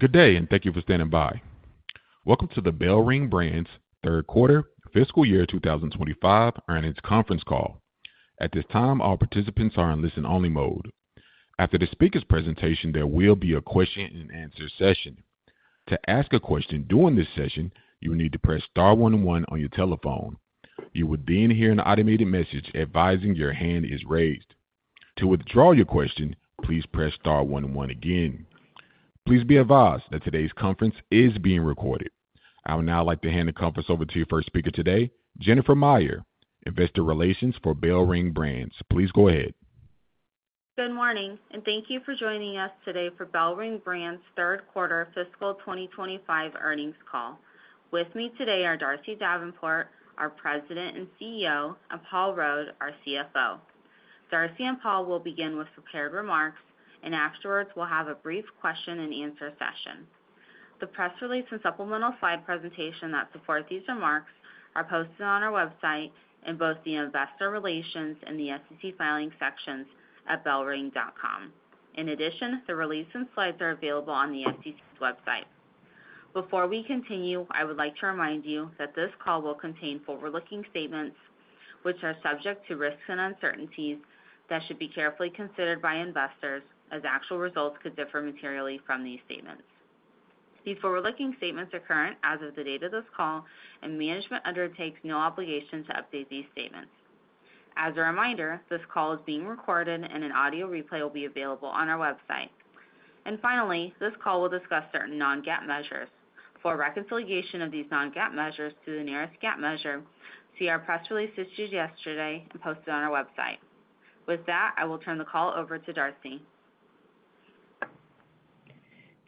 Good day, and thank you for standing by. Welcome to the BellRing Brands Third Quarter Fiscal Year 2025 Earnings Conference Call. At this time, all participants are in listen-only mode. After the speaker's presentation, there will be a question-and-answer session. To ask a question during this session, you will need to press star one one on your telephone. You will then hear an automated message advising your hand is raised. To withdraw your question, please press star one one again. Please be advised that today's conference is being recorded. I would now like to hand the conference over to your first speaker today, Jennifer Meyer, Investor Relations for BellRing Brands. Please go ahead. Good morning, and thank you for joining us today for BellRing Brands' Third Quarter Fiscal 2025 Earnings Call. With me today are Darcy Davenport, our President and CEO, and Paul Rode, our CFO. Darcy and Paul will begin with prepared remarks, and afterwards, we'll have a brief question-and-answer session. The press release and supplemental slide presentation that support these remarks are posted on our website in both the Investor Relations and the SEC Filings sections at bellring.com. In addition, the release and slides are available on the SEC's website. Before we continue, I would like to remind you that this call will contain forward-looking statements, which are subject to risks and uncertainties that should be carefully considered by investors, as actual results could differ materially from these statements. These forward-looking statements are current as of the date of this call, and management undertakes no obligation to update these statements. As a reminder, this call is being recorded, and an audio replay will be available on our website. Finally, this call will discuss certain non-GAAP measures. For reconciliation of these non-GAAP measures to the nearest GAAP measure, see our press release issued yesterday and posted on our website. With that, I will turn the call over to Darcy.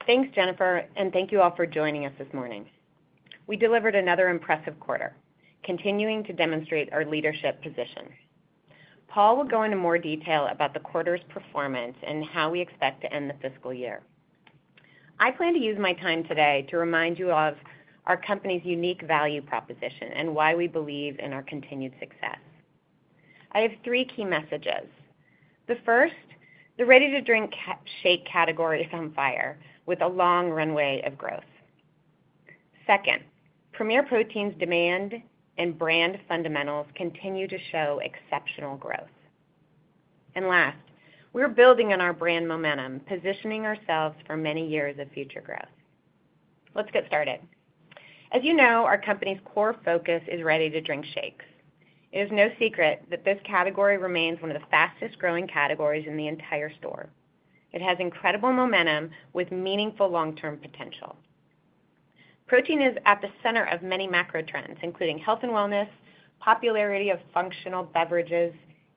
Thanks, Jennifer, and thank you all for joining us this morning. We delivered another impressive quarter, continuing to demonstrate our leadership position. Paul will go into more detail about the quarter's performance and how we expect to end the fiscal year. I plan to use my time today to remind you of our company's unique value proposition and why we believe in our continued success. I have three key messages. The first, the ready-to-drink shake category is on fire, with a long runway of growth. Second, Premier Protein's demand and brand fundamentals continue to show exceptional growth. Last, we're building on our brand momentum, positioning ourselves for many years of future growth. Let's get started. As you know, our company's core focus is ready-to-drink shakes. It is no secret that this category remains one of the fastest-growing categories in the entire store. It has incredible momentum with meaningful long-term potential. Protein is at the center of many macro trends, including health and wellness, popularity of functional beverages,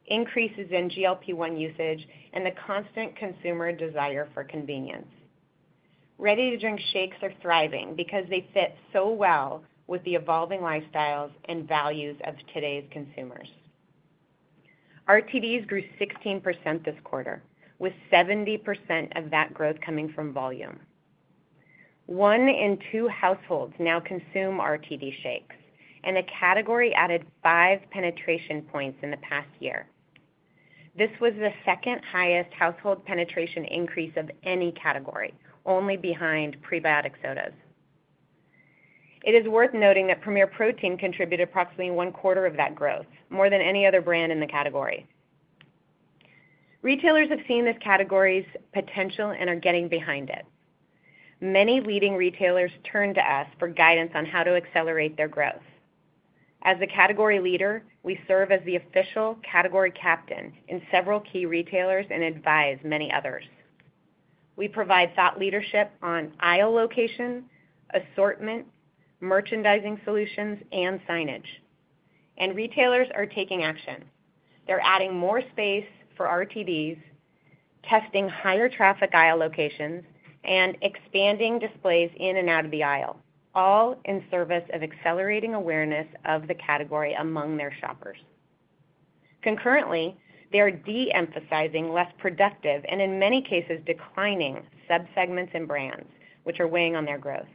increases in GLP-1 usage, and the constant consumer desire for convenience. Ready-to-drink shakes are thriving because they fit so well with the evolving lifestyles and values of today's consumers. RTDs grew 16% this quarter, with 70% of that growth coming from volume. One in two households now consume RTD shakes, and the category added five penetration points in the past year. This was the second highest household penetration increase of any category, only behind prebiotic sodas. It is worth noting that Premier Protein contributed approximately one quarter of that growth, more than any other brand in the category. Retailers have seen this category's potential and are getting behind it. Many leading retailers turn to us for guidance on how to accelerate their growth. As the category leader, we serve as the official category captain in several key retailers and advise many others. We provide thought leadership on aisle location, assortment, merchandising solutions, and signage. Retailers are taking action. They're adding more space for RTDs, testing higher traffic aisle locations, and expanding displays in and out of the aisle, all in service of accelerating awareness of the category among their shoppers. Concurrently, they are de-emphasizing less productive and, in many cases, declining subsegments and brands, which are weighing on their growth.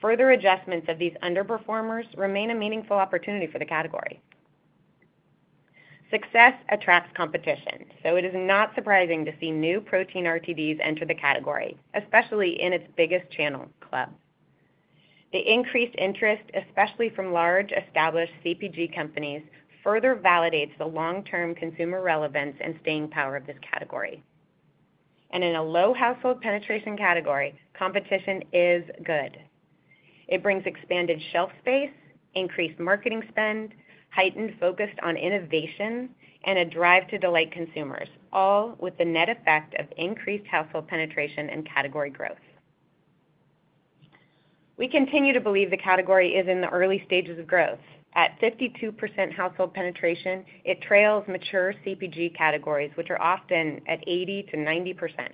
Further adjustments of these underperformers remain a meaningful opportunity for the category. Success attracts competition, so it is not surprising to see new protein RTDs enter the category, especially in its biggest channel, Club. The increased interest, especially from large established CPG companies, further validates the long-term consumer relevance and staying power of this category. In a low household penetration category, competition is good. It brings expanded shelf space, increased marketing spend, heightened focus on innovation, and a drive to delight consumers, all with the net effect of increased household penetration and category growth. We continue to believe the category is in the early stages of growth. At 52% household penetration, it trails mature CPG categories, which are often at 80%-90%.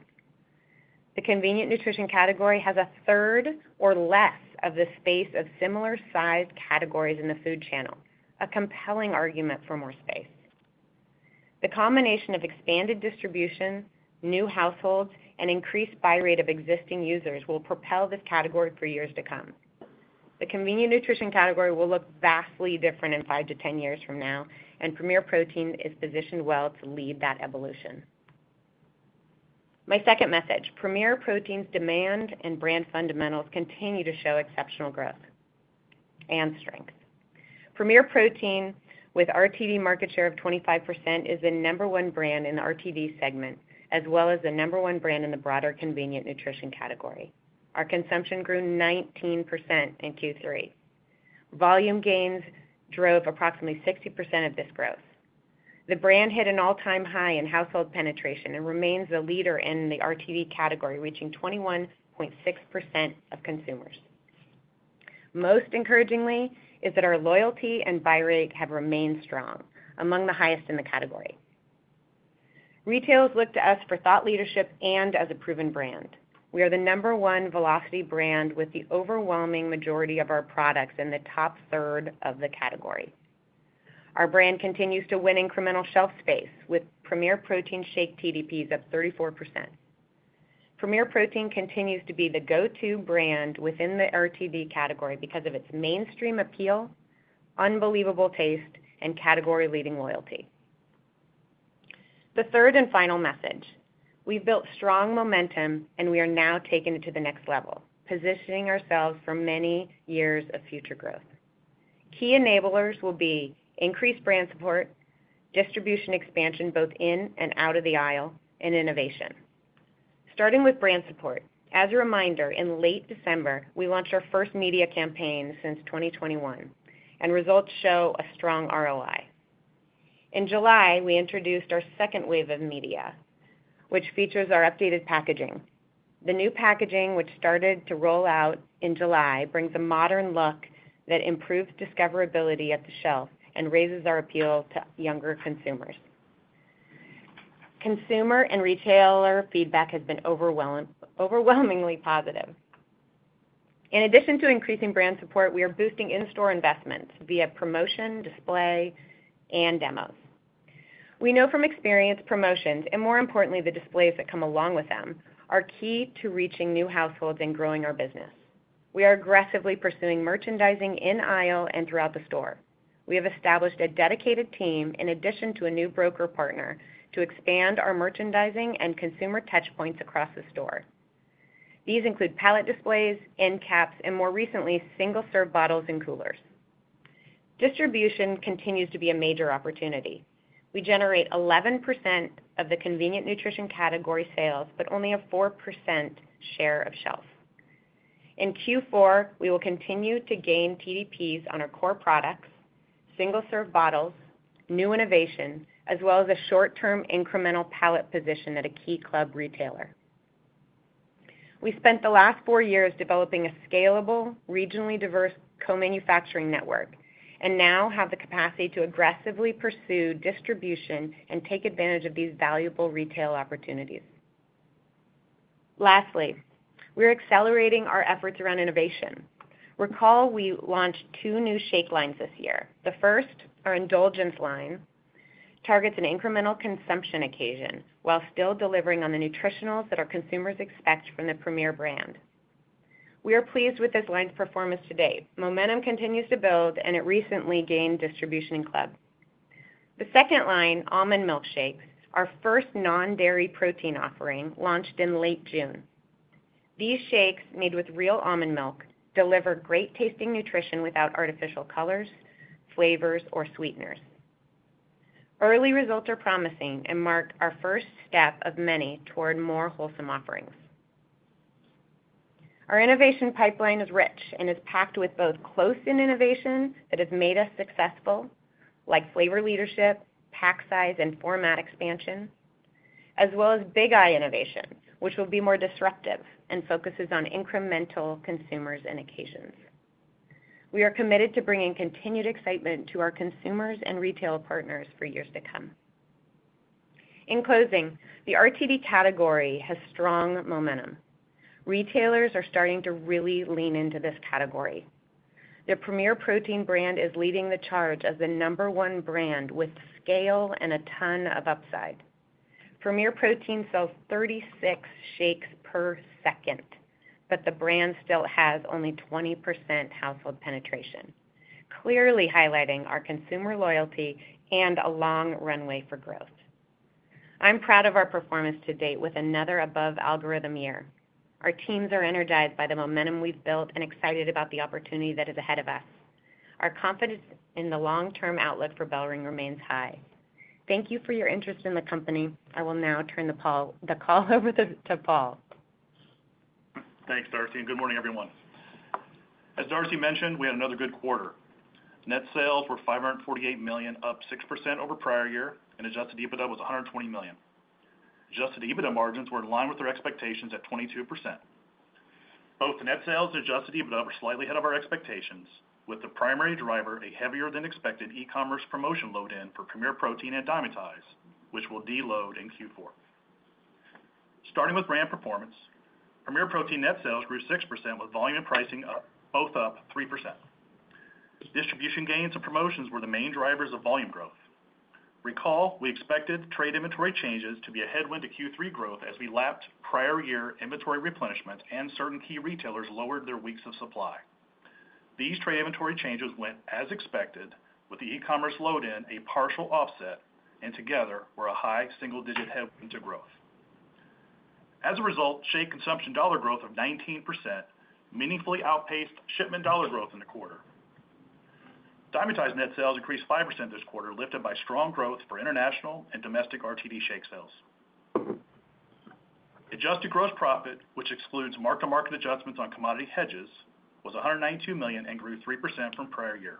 The convenient nutrition category has a third or less of the space of similar-sized categories in the food channel, a compelling argument for more space. The combination of expanded distribution, new households, and increased buy rate of existing users will propel this category for years to come. The convenient nutrition category will look vastly different in five to ten years from now, and Premier Protein is positioned well to lead that evolution. My second message, Premier Protein's demand and brand fundamentals continue to show exceptional growth and strength. Premier Protein, with RTD market share of 25%, is the number one brand in the RTD segment, as well as the number one brand in the broader convenient nutrition category. Our consumption grew 19% in Q3. Volume gains drove approximately 60% of this growth. The brand hit an all-time high in household penetration and remains the leader in the RTD category, reaching 21.6% of consumers. Most encouragingly is that our loyalty and buy rate have remained strong, among the highest in the category. Retailers look to us for thought leadership and as a proven brand. We are the number one velocity brand with the overwhelming majority of our products in the top third of the category. Our brand continues to win incremental shelf space, with Premier Protein shake TDPs at 34%. Premier Protein continues to be the go-to brand within the RTD category because of its mainstream appeal, unbelievable taste, and category-leading loyalty. The third and final message, we've built strong momentum, and we are now taking it to the next level, positioning ourselves for many years of future growth. Key enablers will be increased brand support, distribution expansion both in and out of the aisle, and innovation. Starting with brand support, as a reminder, in late December, we launched our first media campaign since 2021, and results show a strong ROI. In July, we introduced our second wave of media, which features our updated packaging. The new packaging, which started to roll out in July, brings a modern look that improves discoverability at the shelf and raises our appeal to younger consumers. Consumer and retailer feedback has been overwhelmingly positive. In addition to increasing brand support, we are boosting in-store investment via promotion, display, and demos. We know from experience promotions, and more importantly, the displays that come along with them, are key to reaching new households and growing our business. We are aggressively pursuing merchandising in aisle and throughout the store. We have established a dedicated team, in addition to a new broker partner, to expand our merchandising and consumer touchpoints across the store. These include pallet displays, end caps, and more recently, single-serve bottles and coolers. Distribution continues to be a major opportunity. We generate 11% of the convenient nutrition category sales, but only a 4% share of shelf. In Q4, we will continue to gain TDPs on our core products, single-serve bottles, new innovation, as well as a short-term incremental pallet position at a key Club retailer. We spent the last four years developing a scalable, regionally diverse co-manufacturing network and now have the capacity to aggressively pursue distribution and take advantage of these valuable retail opportunities. Lastly, we are accelerating our efforts around innovation. Recall, we launched two new shake lines this year. The first, our Indulgence line, targets an incremental consumption occasion while still delivering on the nutritionals that our consumers expect from the Premier brand. We are pleased with this line's performance to date. Momentum continues to build, and it recently gained distribution in Club. The second line, Almondmilk Shakes, our first non-dairy protein offering, launched in late June. These shakes, made with real almond milk, deliver great tasting nutrition without artificial colors, flavors, or sweeteners. Early results are promising and mark our first step of many toward more wholesome offerings. Our innovation pipeline is rich and is packed with both close-in innovation that has made us successful, like flavor leadership, pack size, and format expansion, as well as big eye innovation, which will be more disruptive and focuses on incremental consumers and occasions. We are committed to bringing continued excitement to our consumers and retail partners for years to come. In closing, the RTD category has strong momentum. Retailers are starting to really lean into this category. The Premier Protein brand is leading the charge as the number one brand with scale and a ton of upside. Premier Protein sells 36 shakes per second, but the brand still has only 20% household penetration, clearly highlighting our consumer loyalty and a long runway for growth. I'm proud of our performance to date, with another above-algorithm year. Our teams are energized by the momentum we've built and excited about the opportunity that is ahead of us. Our confidence in the long-term outlook for BellRing remains high. Thank you for your interest in the company. I will now turn the call over to Paul. Thanks, Darcy, and good morning, everyone. As Darcy mentioned, we had another good quarter. Net sales were $548 million, up 6% over prior year, and adjusted EBITDA was $120 million. Adjusted EBITDA margins were in line with their expectations at 22%. Both net sales and adjusted EBITDA were slightly ahead of our expectations, with the primary driver a heavier-than-expected e-commerce promotion load-in for Premier Protein and Dymatize, which will deload in Q4. Starting with brand performance, Premier Protein net sales grew 6%, with volume and pricing both up 3%. Distribution gains and promotions were the main drivers of volume growth. Recall, we expected trade inventory changes to be a headwind to Q3 growth as we lapped prior year inventory replenishments, and certain key retailers lowered their weeks of supply. These trade inventory changes went as expected, with the e-commerce load-in a partial offset, and together were a high single-digit headwind to growth. As a result, shake consumption dollar growth of 19% meaningfully outpaced shipment dollar growth in the quarter. Dymatize net sales increased 5% this quarter, lifted by strong growth for international and domestic RTD shake sales. Adjusted gross profit, which excludes mark-to-market adjustments on commodity hedges, was $192 million and grew 3% from prior year.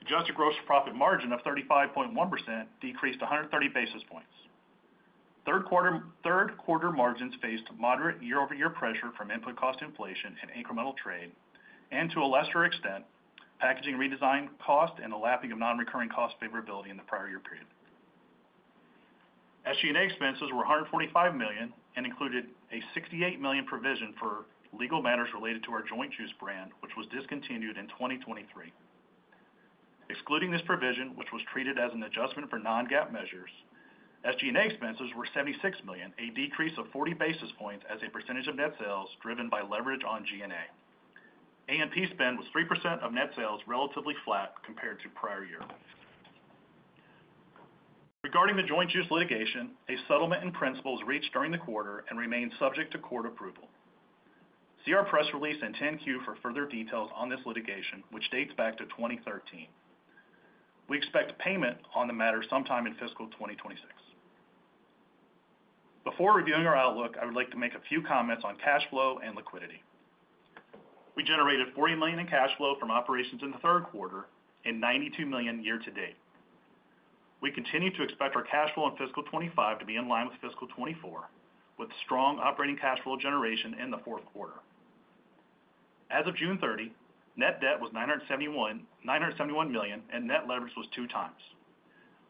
Adjusted gross profit margin of 35.1% decreased 130 basis points. Third quarter margins faced moderate year-over-year pressure from input cost inflation and incremental trade, and to a lesser extent, packaging redesign cost and a lapping of non-recurring cost favorability in the prior year period. SG&A expenses were $145 million and included a $68 million provision for legal matters related to our Joint Juice brand, which was discontinued in 2023. Excluding this provision, which was treated as an adjustment for non-GAAP measures, SG&A expenses were $76 million, a decrease of 40 basis points as a percentage of net sales driven by leverage on G&A. A&P spend was 3% of net sales, relatively flat compared to prior year. Regarding the Joint Juice litigation, a settlement in principle was reached during the quarter and remains subject to court approval. See our press release in 10-Q for further details on this litigation, which dates back to 2013. We expect payment on the matter sometime in fiscal 2026. Before reviewing our outlook, I would like to make a few comments on cash flow and liquidity. We generated $40 million in cash flow from operations in the third quarter and $92 million year-to-date. We continue to expect our cash flow in fiscal 2025 to be in line with fiscal 2024, with strong operating cash flow generation in the fourth quarter. As of June 30, net debt was $971 million, and net leverage was 2x.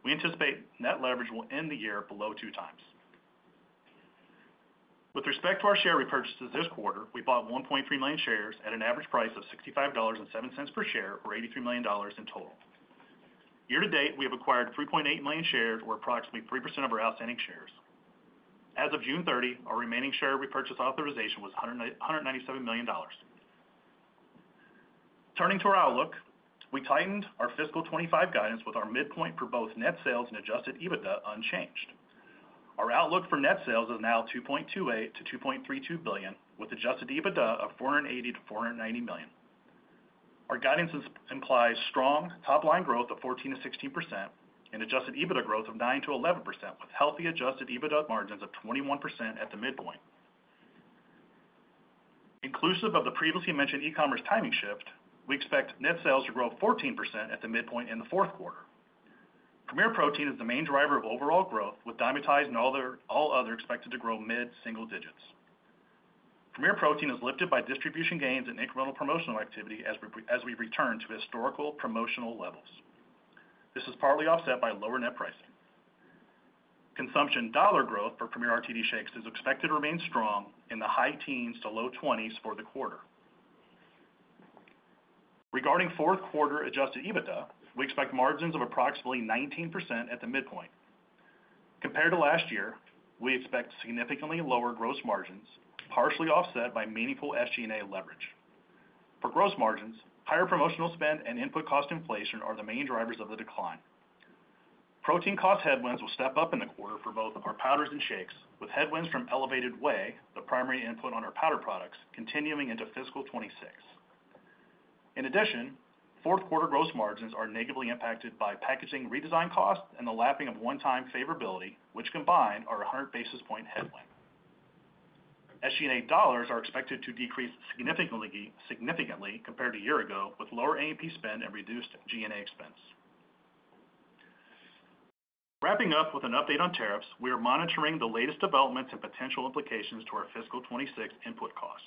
We anticipate net leverage will end the year below 2x. With respect to our share repurchases this quarter, we bought 1.3 million shares at an average price of $65.07 per share, or $83 million in total. Year-to-date, we have acquired 3.8 million shares, or approximately 3% of our outstanding shares. As of June 30, our remaining share repurchase authorization was $197 million. Turning to our outlook, we tightened our fiscal 2025 guidance with our midpoint for both net sales and adjusted EBITDA unchanged. Our outlook for net sales is now $2.28 billion-$2.32 billion, with adjusted EBITDA of $480 million-$490 million. Our guidance implies strong top-line growth of 14%-16% and adjusted EBITDA growth of 9%-11%, with healthy adjusted EBITDA margins of 21% at the midpoint. Inclusive of the previously mentioned e-commerce timing shift, we expect net sales to grow 14% at the midpoint in the fourth quarter. Premier Protein is the main driver of overall growth, with Dymatize and all other expected to grow mid-single digits. Premier Protein is lifted by distribution gains and incremental promotional activity as we return to historical promotional levels. This is partly offset by lower net pricing. Consumption dollar growth for Premier RTD shakes is expected to remain strong in the high teens to low twenties for the quarter. Regarding fourth quarter adjusted EBITDA, we expect margins of approximately 19% at the midpoint. Compared to last year, we expect significantly lower gross margins, partially offset by meaningful SG&A leverage. For gross margins, higher promotional spend and input cost inflation are the main drivers of the decline. Protein cost headwinds will step up in the quarter for both our powders and shakes, with headwinds from elevated whey, the primary input on our powder products, continuing into fiscal 2026. In addition, fourth quarter gross margins are negatively impacted by packaging redesign cost and the lapping of one-time favorability, which combined are a 100 basis point headwind. SG&A dollars are expected to decrease significantly compared to a year ago, with lower A&P spend and reduced G&A expense. Wrapping up with an update on tariffs, we are monitoring the latest developments and potential implications to our fiscal 2026 input cost.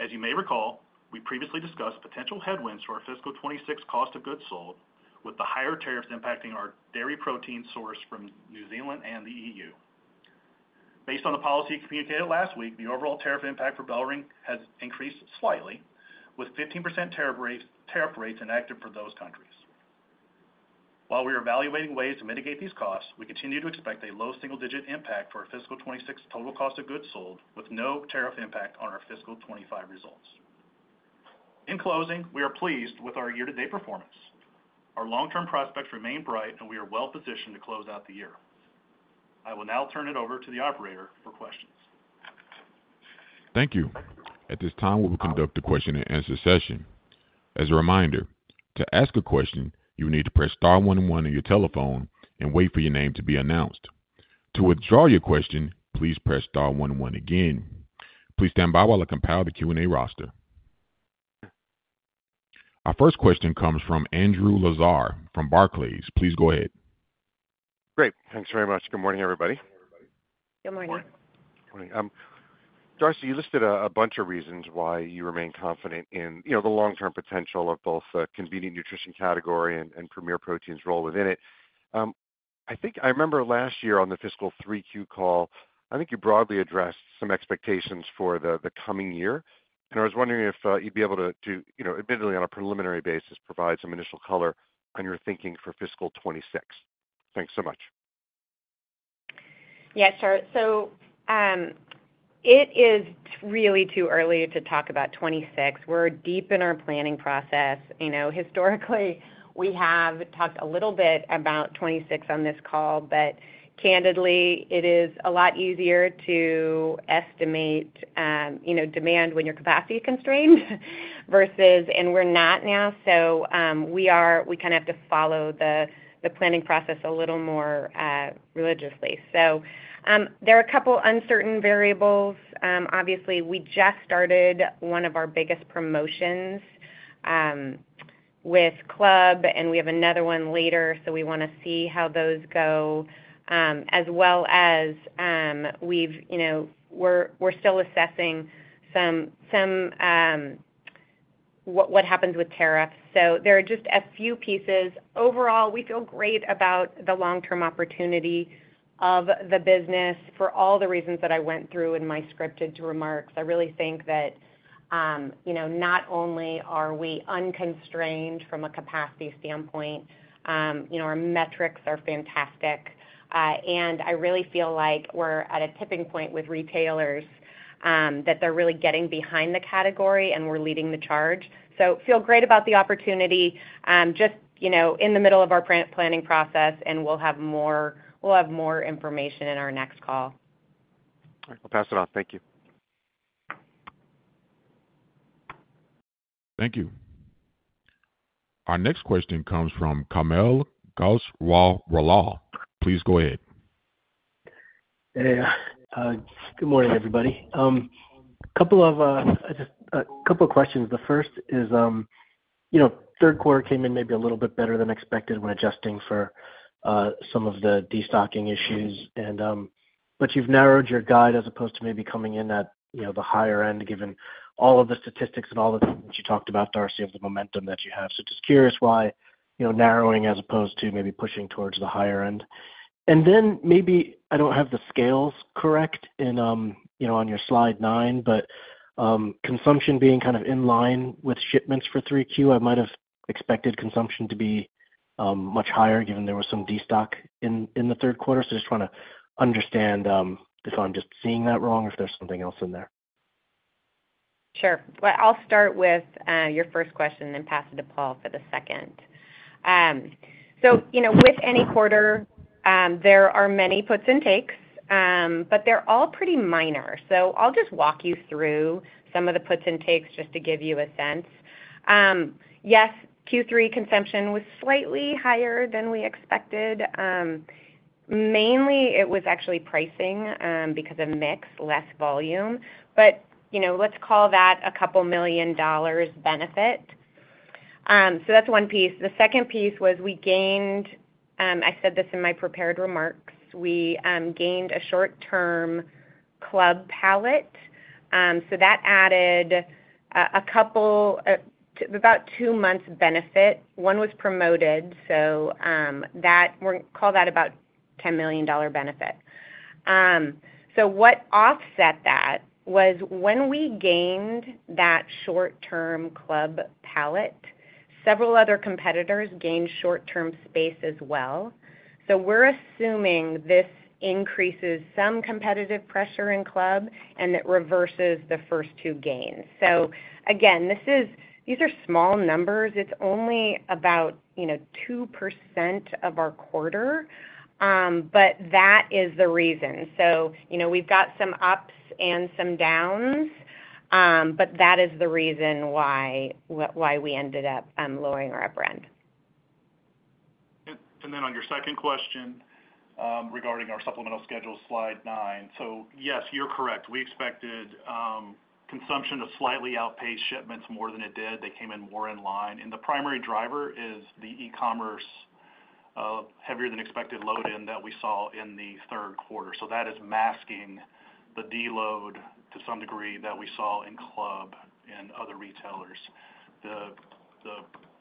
As you may recall, we previously discussed potential headwinds to our fiscal 2026 cost of goods sold, with the higher tariffs impacting our dairy protein source from New Zealand and the EU. Based on the policy communicated last week, the overall tariff impact for BellRing has increased slightly, with 15% tariff rates enacted for those countries. While we are evaluating ways to mitigate these costs, we continue to expect a low single-digit impact to our fiscal 2026 total cost of goods sold, with no tariff impact on our fiscal 2025 results. In closing, we are pleased with our year-to-date performance. Our long-term prospects remain bright, and we are well positioned to close out the year. I will now turn it over to the operator for questions. Thank you. At this time, we will conduct a question-and-answer session. As a reminder, to ask a question, you will need to press star one one on your telephone and wait for your name to be announced. To withdraw your question, please press star one one again. Please stand by while I compile the Q&A roster. Our first question comes from Andrew Lazar from Barclays. Please go ahead. Great. Thanks very much. Good morning, everybody. Good morning. Morning. Darcy, you listed a bunch of reasons why you remain confident in the long-term potential of both the convenient nutrition category and Premier Protein's role within it. I think I remember last year on the fiscal 3Q call, you broadly addressed some expectations for the coming year. I was wondering if you'd be able to, admittedly on a preliminary basis, provide some initial color on your thinking for fiscal 2026. Thanks so much. Yes, sir. It is really too early to talk about 2026. We're deep in our planning process. Historically, we have talked a little bit about 2026 on this call, but candidly, it is a lot easier to estimate demand when your capacity is constrained versus, and we're not now. We kind of have to follow the planning process a little more religiously. There are a couple uncertain variables. Obviously, we just started one of our biggest promotions with Club, and we have another one later. We want to see how those go, as well as we're still assessing what happens with tariffs. There are just a few pieces. Overall, we feel great about the long-term opportunity of the business for all the reasons that I went through in my scripted remarks. I really think that not only are we unconstrained from a capacity standpoint, our metrics are fantastic. I really feel like we're at a tipping point with retailers, that they're really getting behind the category, and we're leading the charge. I feel great about the opportunity, just in the middle of our planning process, and we'll have more information in our next call. All right, I'll pass it off. Thank you. Thank you. Our next question comes from Kaumil Gajrawala. Please go ahead. Good morning, everybody. I just have a couple of questions. The first is, you know, third quarter came in maybe a little bit better than expected when adjusting for some of the destocking issues. You've narrowed your guide as opposed to maybe coming in at, you know, the higher end, given all of the statistics and all that you talked about, Darcy, of the momentum that you have. Just curious why, you know, narrowing as opposed to maybe pushing towards the higher end. Maybe I don't have the scales correct on your slide nine, but consumption being kind of in line with shipments for 3Q, I might have expected consumption to be much higher, given there was some destock in the third quarter. Just trying to understand if I'm just seeing that wrong or if there's something else in there. Sure. I'll start with your first question and then pass it to Paul for the second. With any quarter, there are many puts and takes, but they're all pretty minor. I'll just walk you through some of the puts and takes to give you a sense. Yes, Q3 consumption was slightly higher than we expected. Mainly, it was actually pricing because of mix, less volume. Let's call that a couple million dollars benefit. That's one piece. The second piece was we gained, I said this in my prepared remarks, we gained a short-term Club pallet. That added about two months benefit. One was promoted. We're calling that about a $10 million benefit. What offset that was when we gained that short-term Club pallet, several other competitors gained short-term space as well. We're assuming this increases some competitive pressure in Club, and it reverses the first two gains. These are small numbers. It's only about 2% of our quarter. That is the reason. We've got some ups and some downs. That is the reason why we ended up lowering our upper end. On your second question, regarding our supplemental schedule, slide nine, yes, you're correct. We expected consumption to slightly outpace shipments more than it did. They came in more in line. The primary driver is the e-commerce heavier-than-expected load-in that we saw in the third quarter. That is masking the deload to some degree that we saw in Club and other retailers.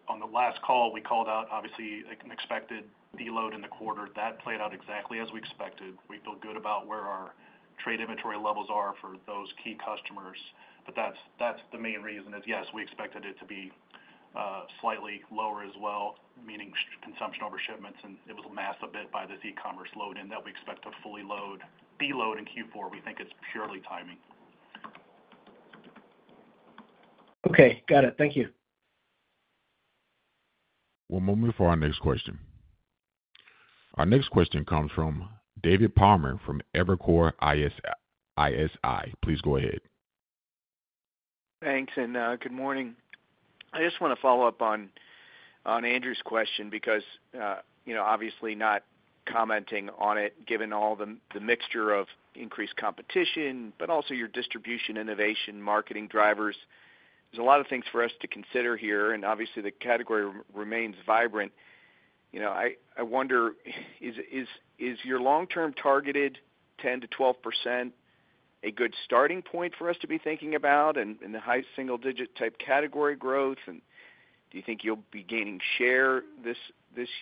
On the last call, we called out, obviously, an expected deload in the quarter. That played out exactly as we expected. We feel good about where our trade inventory levels are for those key customers. That's the main reason. Yes, we expected it to be slightly lower as well, meaning consumption over shipments, and it was a massive bit by this e-commerce load-in that we expect to fully deload in Q4. We think it's purely timing. Okay. Got it. Thank you. We'll move to our next question. Our next question comes from David Palmer from Evercore ISI. Please go ahead. Thanks, and good morning. I just want to follow up on Andrew's question because, you know, obviously, not commenting on it, given all the mixture of increased competition, but also your distribution, innovation, marketing drivers. There's a lot of things for us to consider here. Obviously, the category remains vibrant. I wonder, is your long-term targeted 10%-12% a good starting point for us to be thinking about in the high single-digit type category growth? Do you think you'll be gaining share this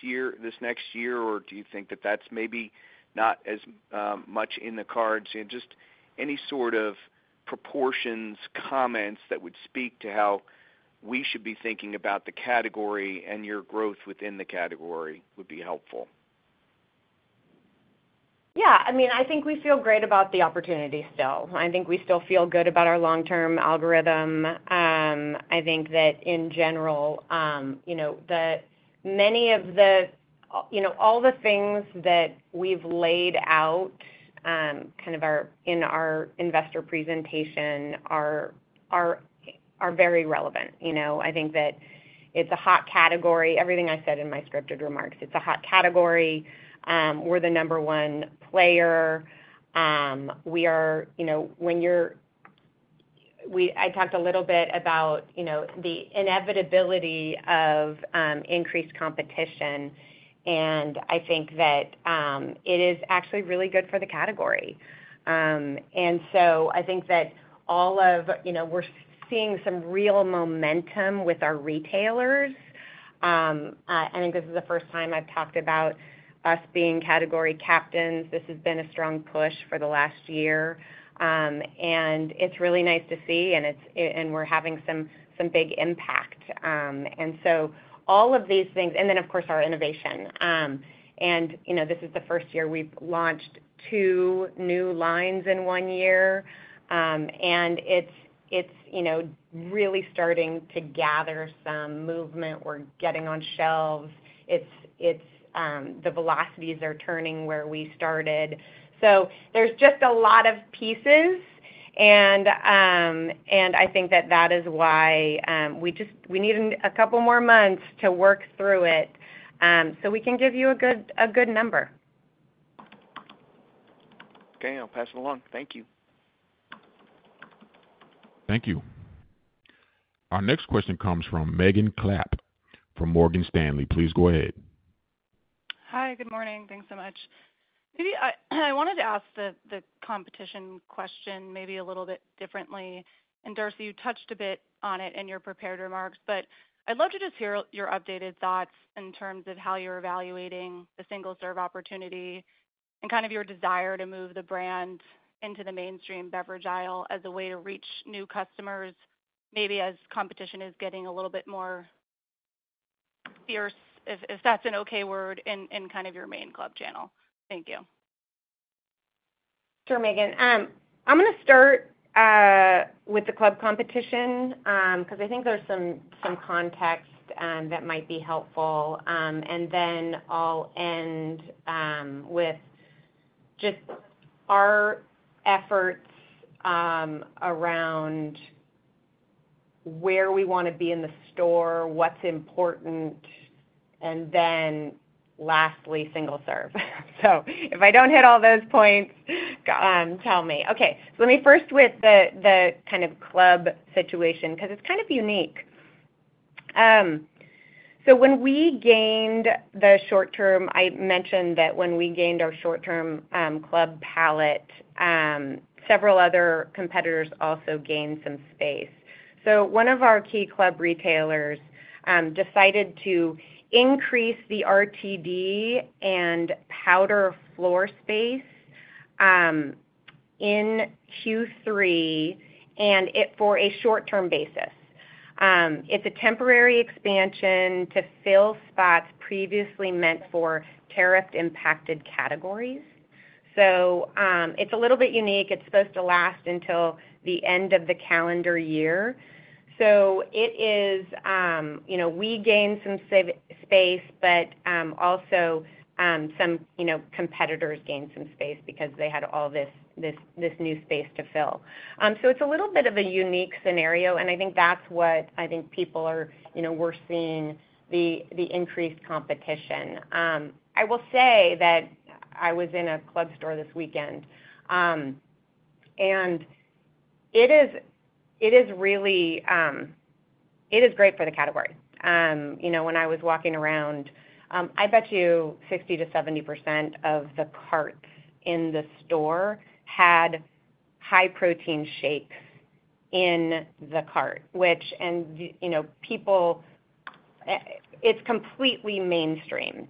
year, this next year, or do you think that that's maybe not as much in the cards? Any sort of proportions, comments that would speak to how we should be thinking about the category and your growth within the category would be helpful. Yeah. I mean, I think we feel great about the opportunity still. I think we still feel good about our long-term algorithm. I think that in general, many of the things that we've laid out in our investor presentation are very relevant. I think that it's a hot category. Everything I said in my scripted remarks, it's a hot category. We're the number one player. We are, you know, when you're, I talked a little bit about the inevitability of increased competition. I think that it is actually really good for the category. I think that we're seeing some real momentum with our retailers. I think this is the first time I've talked about us being category captains. This has been a strong push for the last year, and it's really nice to see, and we're having some big impact. All of these things, and then, of course, our innovation. This is the first year we've launched two new lines in one year, and it's really starting to gather some movement. We're getting on shelves. The velocities are turning where we started. There's just a lot of pieces. I think that is why we just need a couple more months to work through it, so we can give you a good number. Okay, I'll pass it along. Thank you. Thank you. Our next question comes from Megan Clapp from Morgan Stanley. Please go ahead. Hi. Good morning. Thanks so much. I wanted to ask the competition question maybe a little bit differently. Darcy, you touched a bit on it in your prepared remarks, but I'd love to just hear your updated thoughts in terms of how you're evaluating the single-serve opportunity and your desire to move the brand into the mainstream beverage aisle as a way to reach new customers, maybe as competition is getting a little bit more fierce, if that's an okay word, in your main Club channel. Thank you. Sure, Megan. I'm going to start with the Club competition because I think there's some context that might be helpful. I'll end with just our efforts around where we want to be in the store, what's important, and then lastly, single-serve. If I don't hit all those points, tell me. Let me first with the kind of Club situation because it's kind of unique. When we gained the short-term, I mentioned that when we gained our short-term Club palet, several other competitors also gained some space. One of our key Club retailers decided to increase the RTD and powder floor space in Q3, and it is for a short-term basis. It's a temporary expansion to fill spots previously meant for tariff-impacted categories. It's a little bit unique. It's supposed to last until the end of the calendar year. We gained some space, but also, some competitors gained some space because they had all this new space to fill. It's a little bit of a unique scenario, and I think that's what people are seeing, the increased competition. I will say that I was in a Club store this weekend, and it is really great for the category. When I was walking around, I bet you 60%-70% of the carts in the store had high-protein shakes in the cart, which, and, you know, people, it's completely mainstreamed.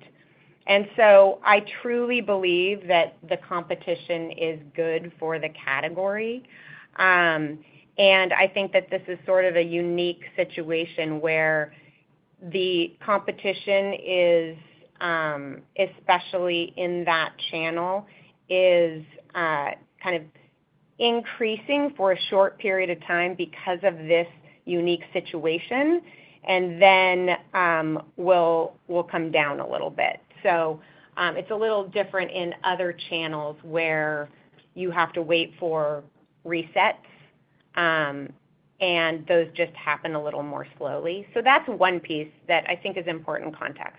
I truly believe that the competition is good for the category. I think that this is sort of a unique situation where the competition is, especially in that channel, kind of increasing for a short period of time because of this unique situation, and then will come down a little bit. It's a little different in other channels where you have to wait for resets, and those just happen a little more slowly. That's one piece that I think is important context.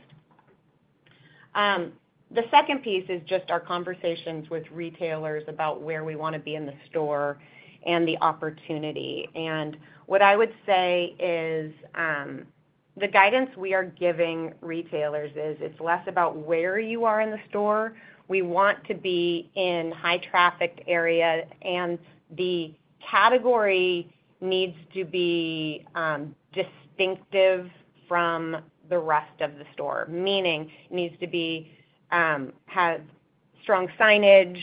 The second piece is just our conversations with retailers about where we want to be in the store and the opportunity. What I would say is, the guidance we are giving retailers is it's less about where you are in the store. We want to be in a high-trafficked area, and the category needs to be distinctive from the rest of the store, meaning it needs to have strong signage.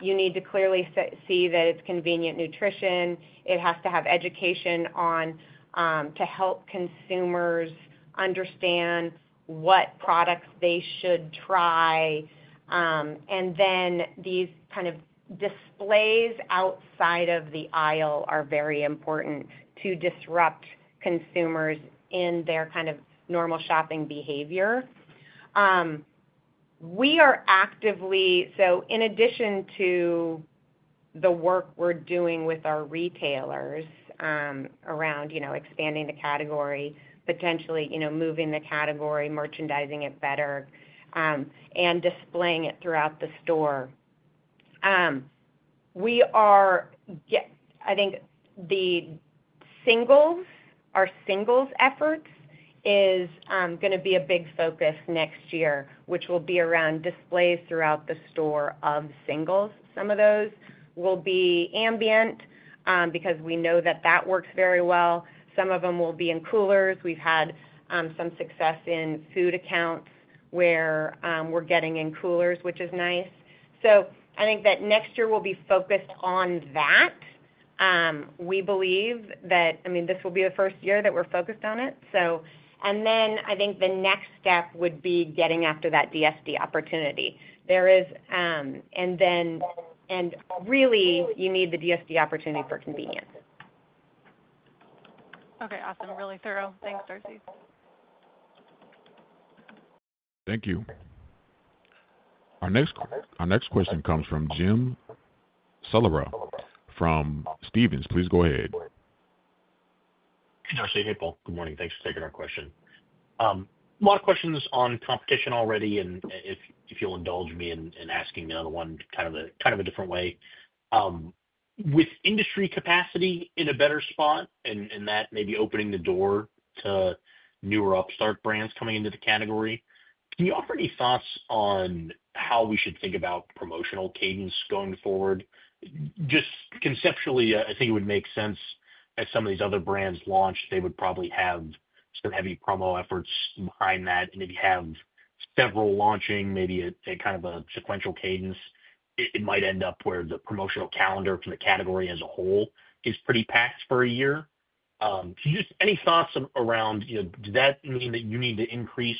You need to clearly see that it's convenient nutrition. It has to have education to help consumers understand what products they should try. These kind of displays outside of the aisle are very important to disrupt consumers in their normal shopping behavior. We are actively, in addition to the work we're doing with our retailers around expanding the category, potentially moving the category, merchandising it better, and displaying it throughout the store. I think our singles efforts are going to be a big focus next year, which will be around displays throughout the store of singles. Some of those will be ambient, because we know that works very well. Some of them will be in coolers. We've had some success in food accounts where we're getting in coolers, which is nice. I think that next year we'll be focused on that. We believe that this will be the first year that we're focused on it. I think the next step would be getting after that DSD opportunity. There is, and really, you need the DSD opportunity for convenience. Okay. Awesome. Really thorough. Thanks, Darcy. Thank you. Our next question comes from Jim Salera from Stephens. Please go ahead. Hey, Darcy. Hey, Paul. Good morning. Thanks for taking that question. A lot of questions on competition already, and if you'll indulge me in asking another one kind of a different way. With industry capacity in a better spot and that maybe opening the door to newer upstart brands coming into the category, can you offer any thoughts on how we should think about promotional cadence going forward? Just conceptually, I think it would make sense as some of these other brands launch, they would probably have their heavy promo efforts behind that. If you have several launching, maybe a kind of a sequential cadence, it might end up where the promotional calendar from the category as a whole is pretty packed for a year. Just any thoughts around, you know, does that mean that you need to increase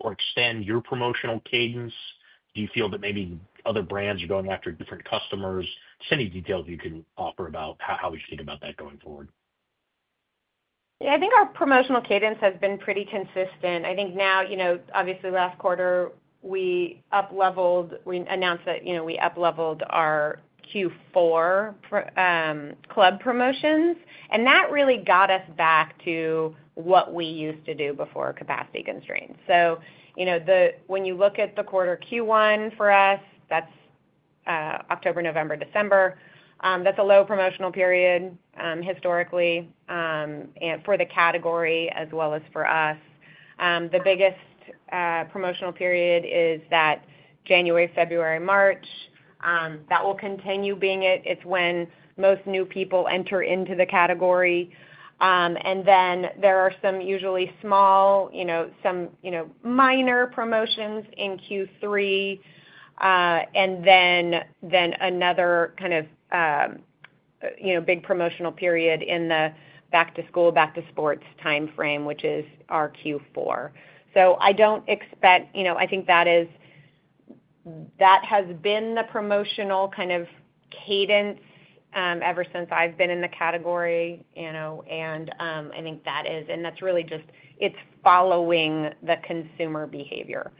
or extend your promotional cadence? Do you feel that maybe other brands are going after different customers? Just any details you can offer about how we should think about that going forward. Yeah. I think our promotional cadence has been pretty consistent. I think now, you know, obviously, last quarter, we up-leveled, we announced that, you know, we up-leveled our Q4 Club promotions. That really got us back to what we used to do before capacity constraints. When you look at the quarter Q1 for us, that's October, November, December, that's a low promotional period, historically, for the category as well as for us. The biggest promotional period is that January, February, March. That will continue being it. It's when most new people enter into the category. There are some usually small, you know, minor promotions in Q3, and then another kind of big promotional period in the back-to-school, back-to-sports timeframe, which is our Q4. I don't expect, you know, I think that has been the promotional kind of cadence, ever since I've been in the category, you know, and I think that is, and that's really just, it's following the consumer behavior.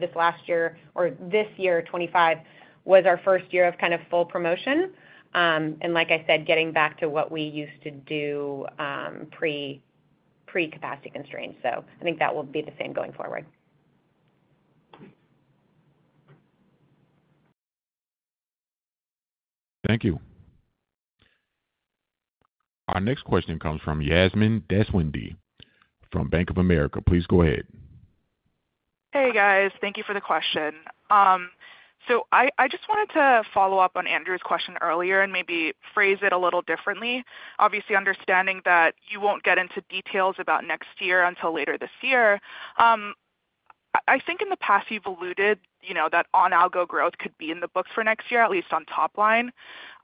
This last year, or this year, 2025, was our first year of kind of full promotion. Like I said, getting back to what we used to do, pre-capacity constraints. I think that will be the same going forward. Thank you. Our next question comes from Yasmine Deswandhy from Bank of America. Please go ahead. Hey, guys. Thank you for the question. I just wanted to follow up on Andrew's question earlier and maybe phrase it a little differently. Obviously, understanding that you won't get into details about next year until later this year. I think in the past you've alluded, you know, that on-algo growth could be in the books for next year, at least on top line.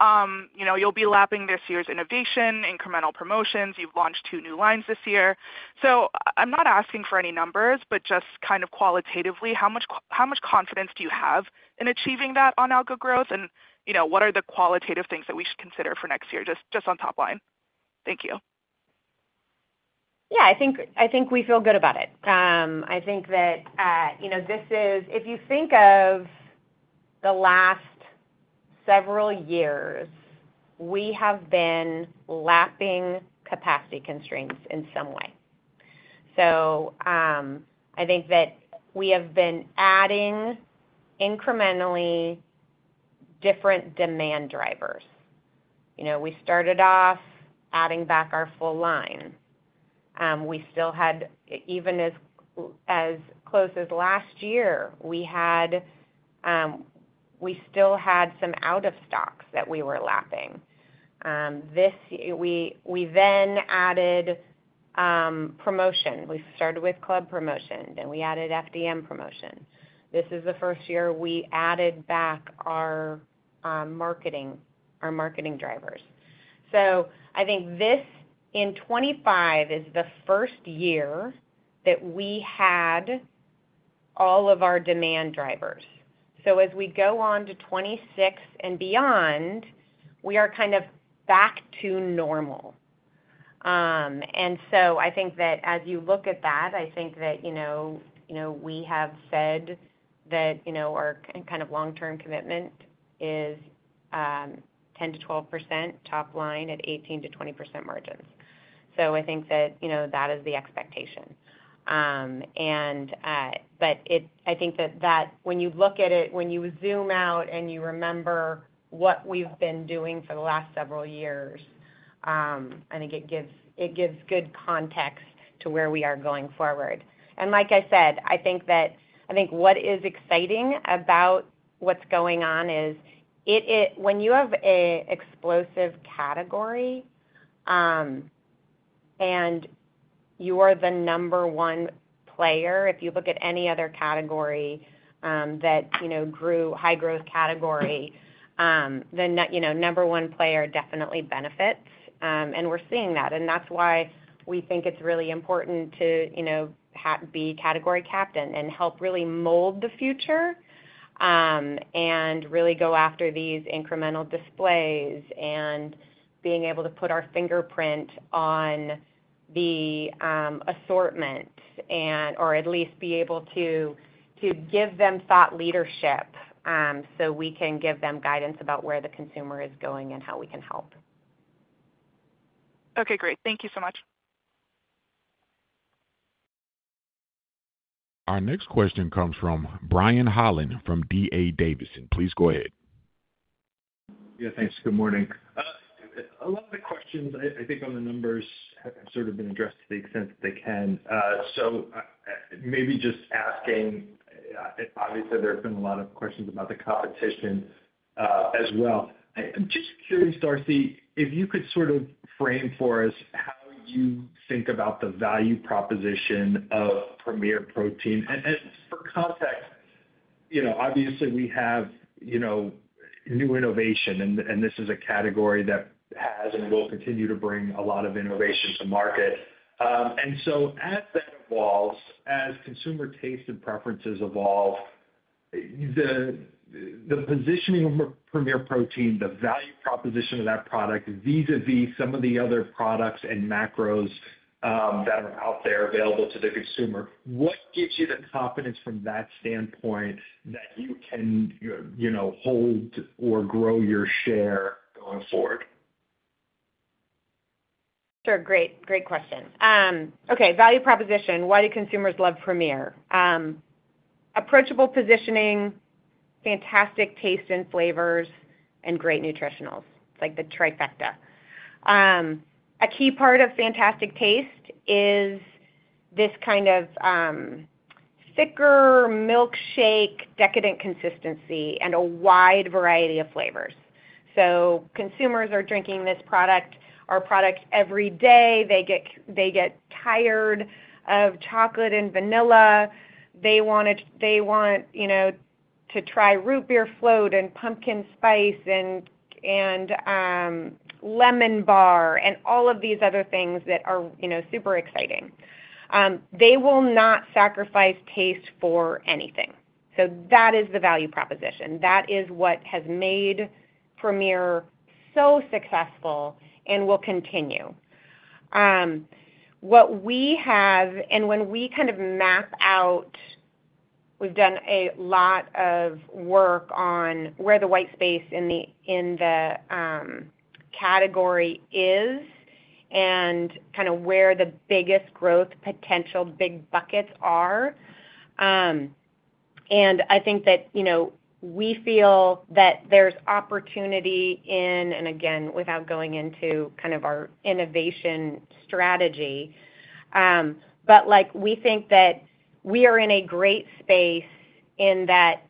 You know, you'll be lapping this year's innovation, incremental promotions. You've launched two new lines this year. I'm not asking for any numbers, but just kind of qualitatively, how much confidence do you have in achieving that on-algo growth? What are the qualitative things that we should consider for next year, just on top line? Thank you. Yeah. I think we feel good about it. I think that, you know, this is, if you think of the last several years, we have been lapping capacity constraints in some way. I think that we have been adding incrementally different demand drivers. You know, we started off adding back our full line. We still had, even as close as last year, we still had some out-of-stocks that we were lapping. This year, we then added promotion. We started with Club promotion, then we added FDM promotion. This is the first year we added back our marketing, our marketing drivers. I think this, in 2025, is the first year that we had all of our demand drivers. As we go on to 2026 and beyond, we are kind of back to normal. I think that as you look at that, I think that, you know, we have said that, you know, our kind of long-term commitment is 10%-12% top-line at 18%-20% margins. I think that is the expectation. I think that when you look at it, when you zoom out and you remember what we've been doing for the last several years, I think it gives good context to where we are going forward. Like I said, I think what is exciting about what's going on is when you have an explosive category, and you are the number one player, if you look at any other category, that grew, high-growth category, the number one player definitely benefits. We're seeing that. That's why we think it's really important to be category captain and help really mold the future, and really go after these incremental displays and being able to put our fingerprint on the assortment, or at least be able to give them thought leadership, so we can give them guidance about where the consumer is going and how we can help. Okay. Great. Thank you so much. Our next question comes from Brian Holland from D.A. Davidson. Please go ahead. Yeah. Thanks. Good morning. A lot of the questions, I think, on the numbers have sort of been addressed to the extent that they can. I maybe just asking, obviously, there's been a lot of questions about the competition, as well. I'm just curious, Darcy, if you could sort of frame for us how you think about the value proposition of Premier Protein. For context, you know, obviously, we have, you know, new innovation, and this is a category that has and will continue to bring a lot of innovation to market. As that evolves, as consumer tastes and preferences evolve, the positioning of Premier Protein, the value proposition of that product vis-à-vis some of the other products and macros that are out there available to the consumer, what gives you the confidence from that standpoint that you can, you know, hold or grow your share going forward? Sure. Great, great question. Okay. Value proposition. Why do consumers love Premier? Approachable positioning, fantastic tastes and flavors, and great nutritionals. It's like the trifecta. A key part of fantastic taste is this kind of thicker milkshake, decadent consistency and a wide variety of flavors. Consumers are drinking this product, our product, every day. They get tired of chocolate and vanilla. They want to try root beer float and pumpkin spice and lemon bar and all of these other things that are super exciting. They will not sacrifice taste for anything. That is the value proposition. That is what has made Premier so successful and will continue. What we have, and when we kind of map out, we've done a lot of work on where the white space in the category is and kind of where the biggest growth potential big buckets are. I think that we feel that there's opportunity in, and again, without going into kind of our innovation strategy, but we think that we are in a great space in that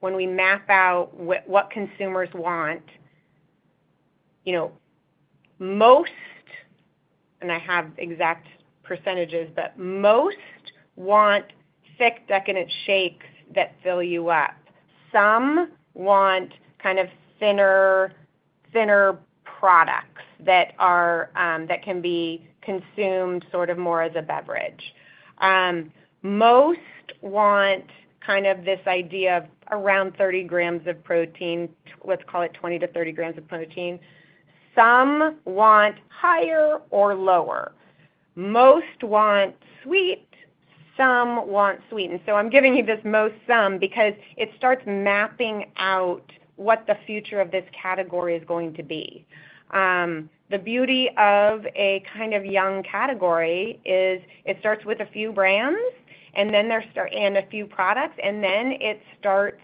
when we map out what consumers want most, and I have exact percentages, but most want thick, decadent shakes that fill you up. Some want kind of thinner products that can be consumed sort of more as a beverage. Most want this idea of around 30 g of protein, let's call it 20 g-30 g of protein. Some want higher or lower. Most want sweet. Some want sweet. I'm giving you this most some because it starts mapping out what the future of this category is going to be. The beauty of a kind of young category is it starts with a few brands, and then there's a few products, and then it starts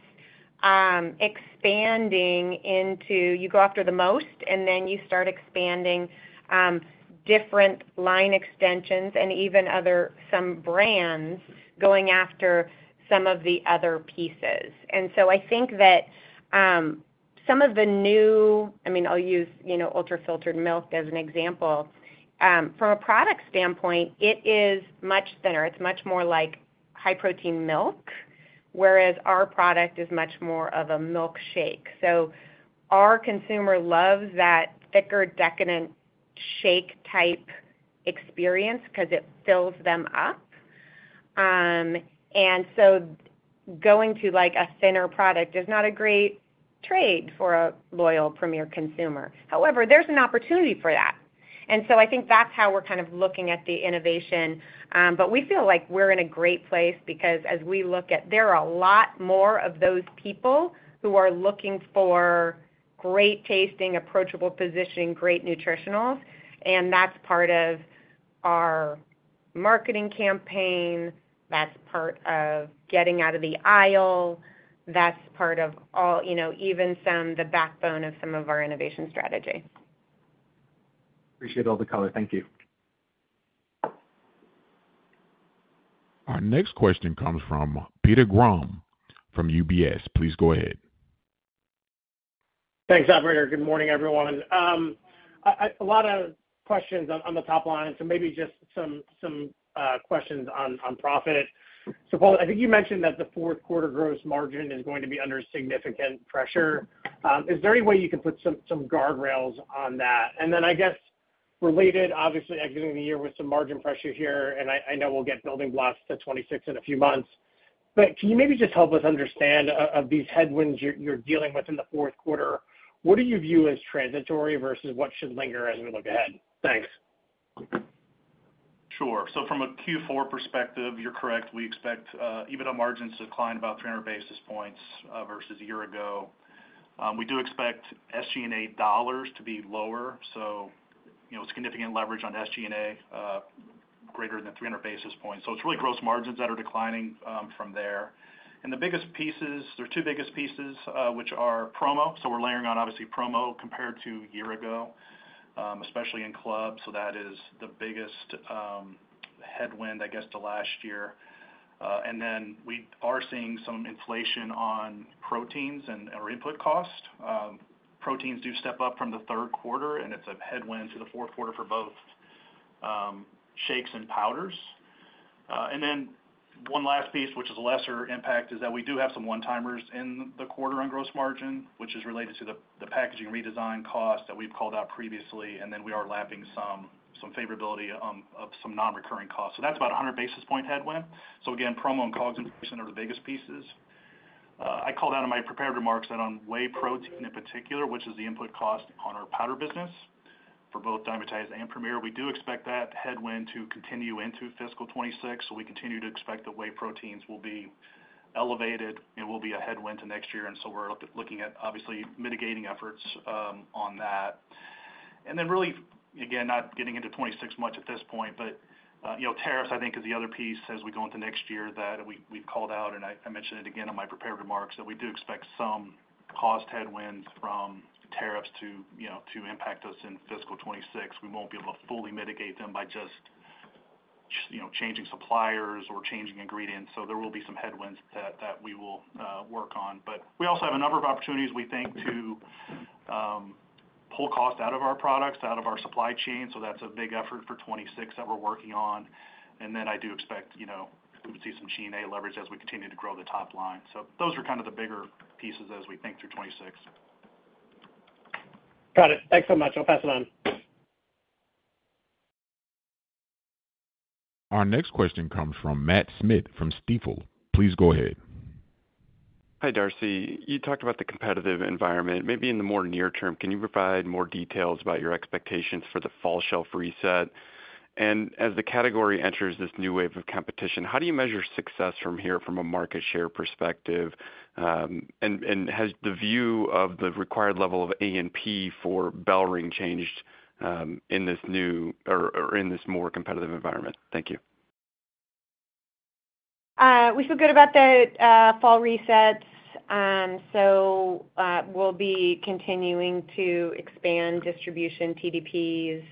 expanding into, you go after the most, and then you start expanding different line extensions and even some brands going after some of the other pieces. I think that some of the new, I mean, I'll use ultra-filtered milk as an example. From a product standpoint, it is much thinner. It's much more like high-protein milk, whereas our product is much more of a milkshake. Our consumer loves that thicker, decadent shake type experience because it fills them up. Going to a thinner product is not a great trade for a loyal Premier consumer. However, there's an opportunity for that. I think that's how we're kind of looking at the innovation. We feel like we're in a great place because as we look at it, there are a lot more of those people who are looking for great tasting, approachable positioning, great nutritionals. That's part of our marketing campaign. That's part of getting out of the aisle. That's part of even some of the backbone of some of our innovation strategy. Appreciate all the color. Thank you. Our next question comes from Peter Grom from UBS. Please go ahead. Thanks, operator. Good morning, everyone. A lot of questions on the top line. Maybe just some questions on profit. Paul, I think you mentioned that the fourth quarter gross margin is going to be under significant pressure. Is there any way you could put some guardrails on that? I guess related, obviously, at the end of the year with some margin pressure here, and I know we'll get building blocks to 2026 in a few months. Can you maybe just help us understand of these headwinds you're dealing with in the fourth quarter? What do you view as transitory versus what should linger as we look ahead? Thanks. Sure. From a Q4 perspective, you're correct. We expect EBITDA margins to decline about 300 basis points versus a year ago. We do expect SG&A dollars to be lower, so significant leverage on SG&A greater than 300 basis points. It's really gross margins that are declining from there. The biggest pieces, there's two biggest pieces, which are promo. We're layering on, obviously, promo compared to a year ago, especially in Club. That is the biggest headwind, I guess, to last year. We are seeing some inflation on proteins and our input cost. Proteins do step up from the third quarter, and it's a headwind to the fourth quarter for both shakes and powders. One last piece, which is a lesser impact, is that we do have some one-timers in the quarter on gross margin, which is related to the packaging redesign cost that we've called out previously. We are lapping some favorability of some non-recurring costs. That's about a 100 basis point headwind. Again, promo and calls and incentives are the biggest pieces. I called out in my prepared remarks that on whey protein in particular, which is the input cost on our powder business for both Dymatize and Premier, we do expect that headwind to continue into fiscal 2026. We continue to expect that whey proteins will be elevated. It will be a headwind to next year. We're looking at, obviously, mitigating efforts on that. Really, again, not getting into 2026 much at this point, tariffs, I think, is the other piece as we go into next year that we've called out, and I mentioned it again in my prepared remarks, that we do expect some cost headwinds from the tariffs to impact us in fiscal 2026. We won't be able to fully mitigate them by just changing suppliers or changing ingredients. There will be some headwinds that we will work on. We also have a number of opportunities, we think, to pull costs out of our products, out of our supply chain. That's a big effort for 2026 that we're working on. I do expect we would see some G&A leverage as we continue to grow the top line. Those are kind of the bigger pieces as we think through 2026. Got it. Thanks so much. I'll pass it on. Our next question comes from Matt Smith from Stifel. Please go ahead. Hi, Darcy. You talked about the competitive environment. Maybe in the near term, can you provide more details about your expectations for the fall shelf reset? As the category enters this new wave of competition, how do you measure success from here from a market share perspective? Has the view of the required level of A&P for BellRing changed in this new or in this more competitive environment? Thank you. We feel good about the fall resets. We'll be continuing to expand distribution TDPs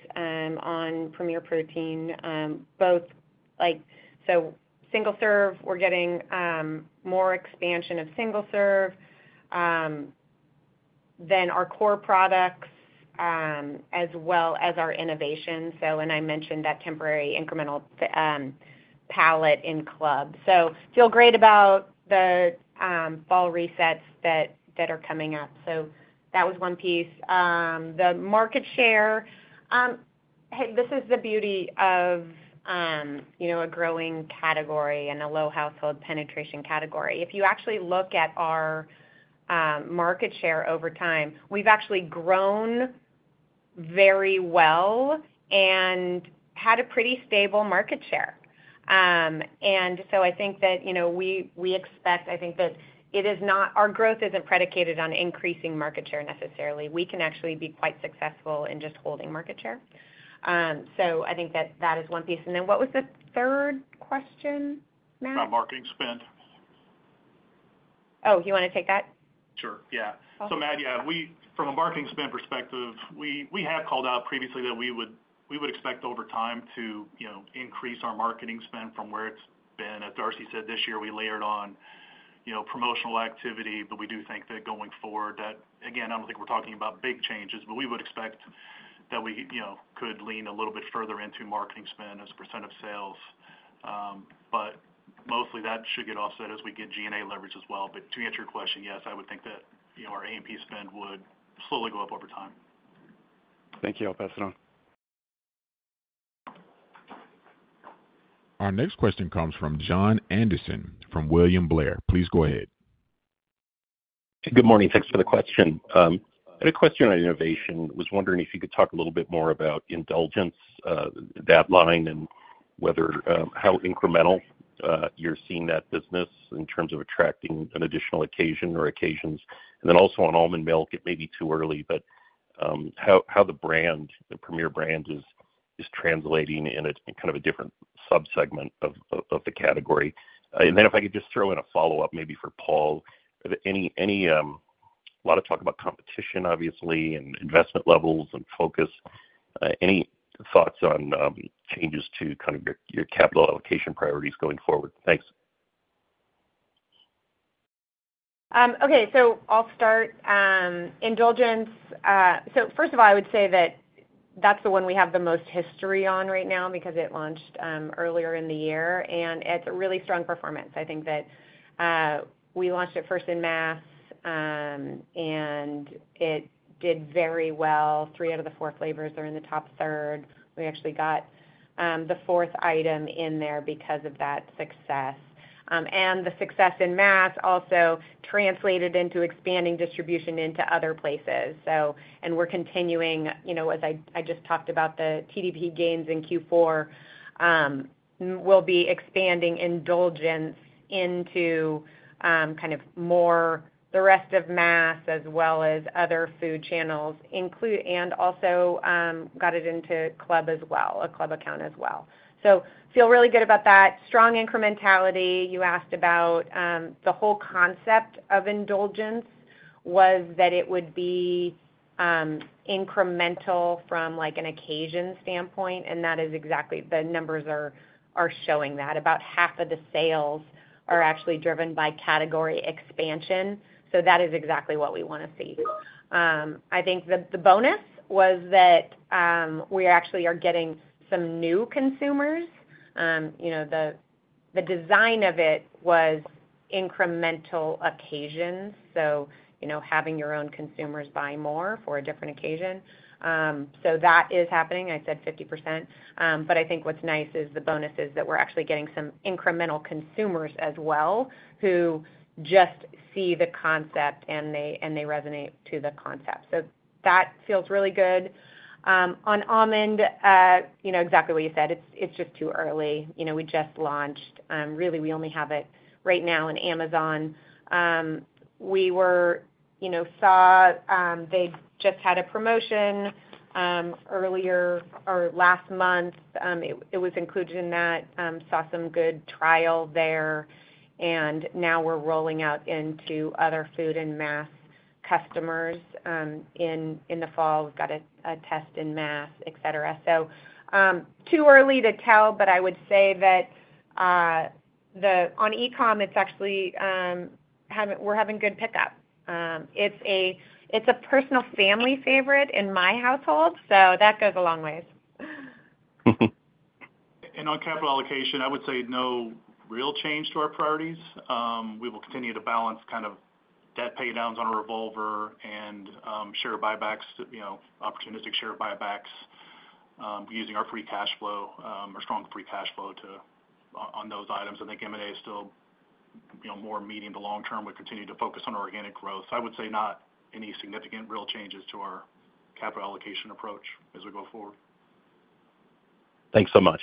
on Premier Protein, both like single-serve. We're getting more expansion of single-serve than our core products, as well as our innovation. I mentioned that temporary incremental pallet in Club. I feel great about the fall resets that are coming up. That was one piece. The market share, hey, this is the beauty of a growing category and a low household penetration category. If you actually look at our market share over time, we've actually grown very well and had a pretty stable market share. I think that we expect, I think, that our growth isn't predicated on increasing market share necessarily. We can actually be quite successful in just holding market share. I think that is one piece. What was the third question, Matt? Our marketing spend. Oh, you want to take that? Sure. Yeah. So, Matt, from a marketing spend perspective, we had called out previously that we would expect over time to, you know, increase our marketing spend from where it's been. As Darcy said, this year, we layered on, you know, promotional activity, but we do think that going forward, again, I don't think we're talking about big changes, but we would expect that we could lean a little bit further into marketing spend as a percentage of sales. Mostly, that should get offset as we get G&A leverage as well. To answer your question, yes, I would think that our A&P spend would slowly go up over time. Thank you. I'll pass it on. Our next question comes from Jon Andersen from William Blair. Please go ahead. Hey, good morning. Thanks for the question. I had a question on innovation. I was wondering if you could talk a little bit more about Indulgence, that line and whether, how incremental, you're seeing that business in terms of attracting an additional occasion or occasions. Also on Almondmilkshake, it may be too early, but how the brand, the Premier Protein brand is translating in a kind of a different subsegment of the category. If I could just throw in a follow-up maybe for Paul, a lot of talk about competition, obviously, and investment levels and focus. Any thoughts on changes to kind of your capital allocation priorities going forward? Thanks. Okay. I'll start. Indulgence, so first of all, I would say that that's the one we have the most history on right now because it launched earlier in the year. It's a really strong performance. I think that we launched it first in mass, and it did very well. Three out of the four flavors are in the top third. We actually got the fourth item in there because of that success. The success in mass also translated into expanding distribution into other places. We're continuing, as I just talked about the TDP gains in Q4, to expand Indulgence into more of the rest of mass as well as other food channels, and also got it into a Club account as well. I feel really good about that. Strong incrementality. You asked about the whole concept of Indulgence was that it would be incremental from an occasion standpoint, and that is exactly what the numbers are showing. About half of the sales are actually driven by category expansion. That is exactly what we want to see. I think the bonus was that we actually are getting some new consumers. The design of it was incremental occasion, so having your own consumers buy more for a different occasion. That is happening. I said 50%, but I think what's nice is the bonus is that we're actually getting some incremental consumers as well who just see the concept and they resonate to the concept. That feels really good. On Almond, exactly what you said, it's just too early. We just launched. Really, we only have it right now on Amazon. We saw they just had a promotion earlier last month. It was included in that. Saw some good trial there. Now we're rolling out into other food and mass customers in the fall. We've got a test in mass, etc. Too early to tell, but I would say that on e-comm, we're having good pickup. It's a personal family favorite in my household. That goes a long way. On capital allocation, I would say no real change to our priorities. We will continue to balance kind of debt paydowns on a revolver and share buybacks, you know, opportunistic share buybacks, using our free cash flow, our strong free cash flow on those items. I think M&A is still, you know, more medium to long term. We continue to focus on organic growth. I would say not any significant real changes to our capital allocation approach as we go forward. Thanks so much.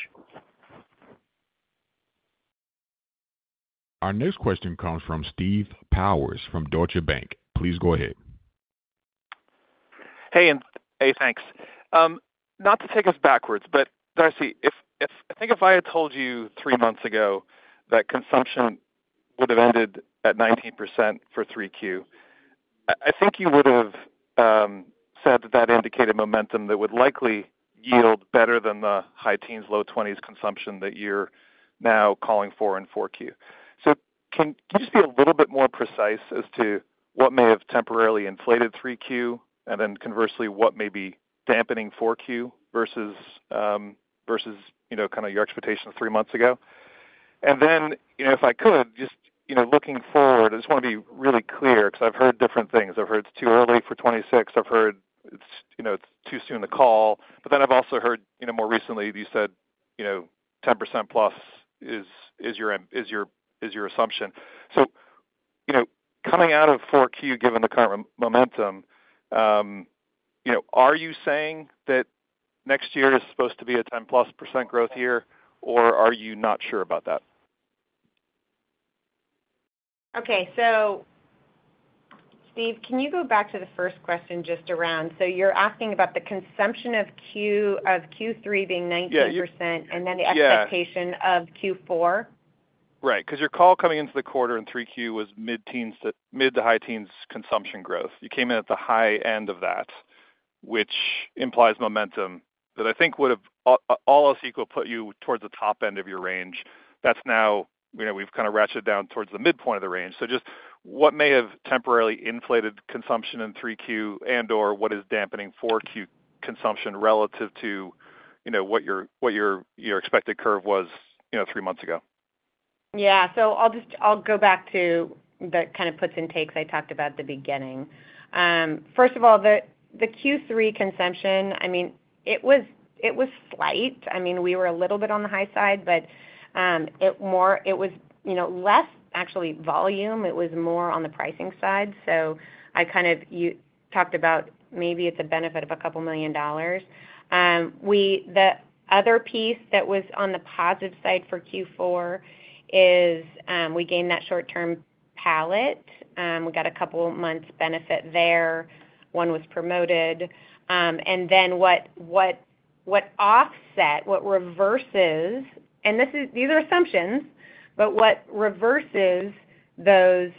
Our next question comes from Steve Powers from Deutsche Bank. Please go ahead. Hey, thanks. Not to take us backwards, but Darcy, if I think if I had told you three months ago that consumption would have ended at 19% for 3Q, I think you would have said that indicated momentum that would likely yield better than the high teens, low 20s consumption that you're now calling for in 4Q. Can you just be a little bit more precise as to what may have temporarily inflated 3Q and then conversely what may be dampening 4Q versus your expectations three months ago? If I could, just looking forward, I want to be really clear because I've heard different things. I've heard it's too early for 2026. I've heard it's too soon to call. I've also heard more recently that you said 10%+ is your assumption. Coming out of 4Q, given the current momentum, are you saying that next year is supposed to be a 10%+ growth year, or are you not sure about that? Okay. Steve, can you go back to the first question just around the consumption of Q3 being 19% and then the expectation of Q4? Right. Because your call coming into the quarter in 3Q was mid-to-high teens consumption growth. You came in at the high end of that, which implies momentum that I think would have all else equal put you towards the top end of your range. That's now, you know, we've kind of ratcheted down towards the midpoint of the range. Just what may have temporarily inflated consumption in 3Q and/or what is dampening 4Q consumption relative to what your expected curve was three months ago? Yeah. I'll go back to the kind of puts and takes I talked about at the beginning. First of all, the Q3 consumption, I mean, it was slight. I mean, we were a little bit on the high side, but it was more, you know, less actually volume. It was more on the pricing side. You talked about maybe it's a benefit of a couple million dollars. The other piece that was on the positive side for Q4 is we gained that short-term pallet. We got a couple months' benefit there. One was promoted. What offsets, what reverses, and these are assumptions, but what reverses those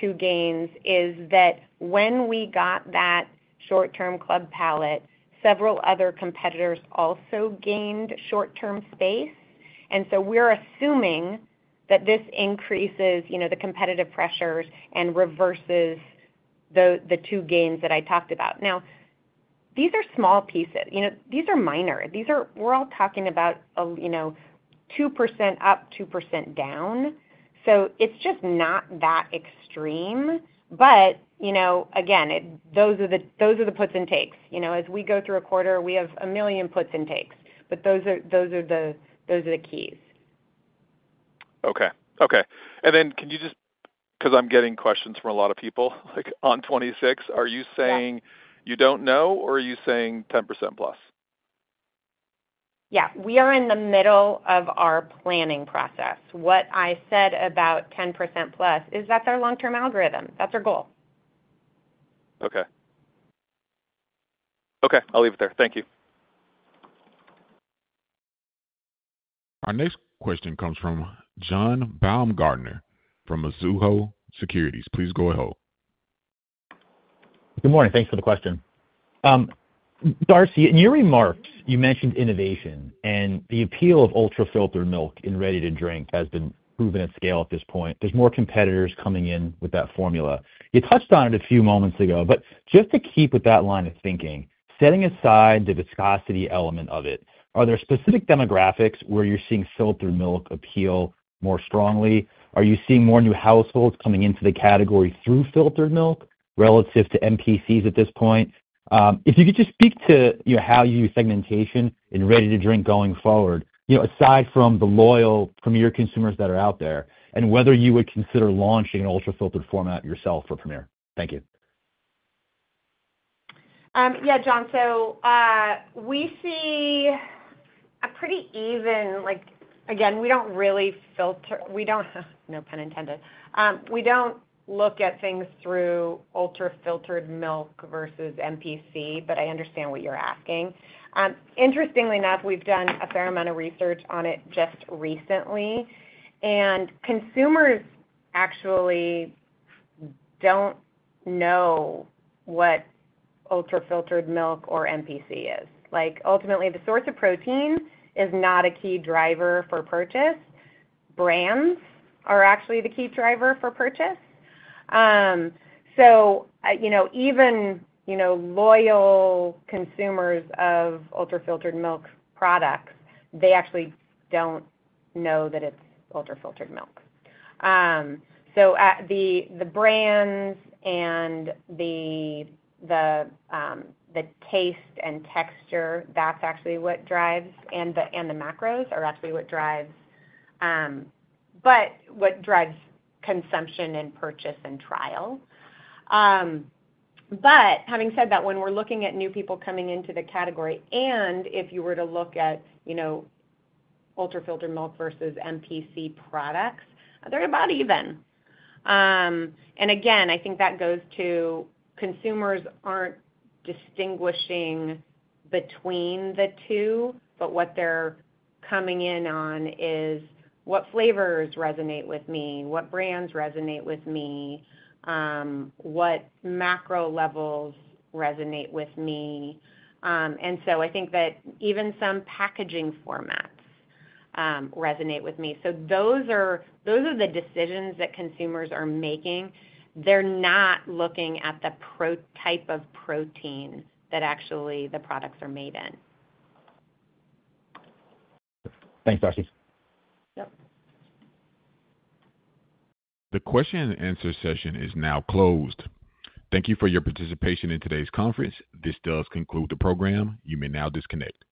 two gains is that when we got that short-term Club pallet, several other competitors also gained short-term space. We're assuming that this increases the competitive pressures and reverses the two gains that I talked about. These are small pieces. These are minor. We're all talking about a 2% up, 2% down. It's just not that extreme. Again, those are the puts and takes. As we go through a quarter, we have a million puts and takes. Those are the keys. Okay. Okay. Can you just because I'm getting questions from a lot of people, like on 26, are you saying you don't know, or are you saying 10%+? Yeah. We are in the middle of our planning process. What I said about 10%+ is that's our long-term algorithm. That's our goal. Okay. I'll leave it there. Thank you. Our next question comes from John Baumgartner from Mizuho Securities. Please go ahead. Good morning. Thanks for the question. Darcy, in your remarks, you mentioned innovation, and the appeal of ultra-filtered milk in ready-to-drink has been proven at scale at this point. There are more competitors coming in with that formula. You touched on it a few moments ago, just to keep with that line of thinking, setting aside the viscosity element of it, are there specific demographics where you're seeing filtered milk appeal more strongly? Are you seeing more new households coming into the category through filtered milk relative to MPCs at this point? If you could just speak to how you do segmentation in ready-to-drink going forward, aside from the loyal Premier consumers that are out there, and whether you would consider launching an ultra-filtered format yourself for Premier. Thank you. Yeah, John. We see a pretty even, like, again, we don't really filter. We don't, no pun intended. We don't look at things through ultra-filtered milk versus MPC, but I understand what you're asking. Interestingly enough, we've done a fair amount of research on it just recently. Consumers actually don't know what ultra-filtered milk or MPC is. Ultimately, the source of protein is not a key driver for purchase. Brands are actually the key driver for purchase. Even loyal consumers of ultra-filtered milk products actually don't know that it's ultra-filtered milk. The brands and the taste and texture, that's actually what drives, and the macros are actually what drives consumption and purchase and trial. Having said that, when we're looking at new people coming into the category, and if you were to look at ultra-filtered milk versus MPC products, they're not even. I think that goes to consumers aren't distinguishing between the two, but what they're coming in on is what flavors resonate with me, what brands resonate with me, what macro levels resonate with me. I think that even some packaging formats resonate with me. Those are the decisions that consumers are making. They're not looking at the type of protein that actually the products are made in. Thanks, Darcy. The question-and-answer session is now closed. Thank you for your participation in today's conference. This does conclude the program. You may now disconnect.